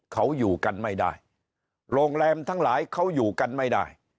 เขาอยู่กันไม่ได้โรงแรมทั้งหลายเขาอยู่กันไม่ได้